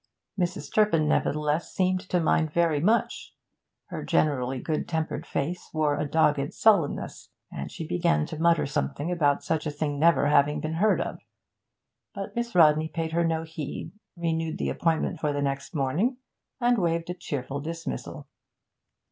Mrs. Turpin, nevertheless, seemed to mind very much. Her generally good tempered face wore a dogged sullenness, and she began to mutter something about such a thing never having been heard of; but Miss Rodney paid no heed, renewed the appointment for the next morning, and waved a cheerful dismissal.